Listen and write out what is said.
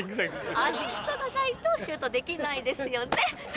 アシストがないとシュートできないですよね！